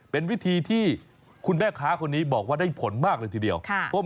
เป็นวิธีที่คุณแม่ค้าคนนี้บอกว่าได้ผลมากเลยทีเดียว